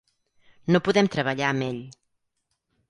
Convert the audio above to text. No podem treballar amb ell.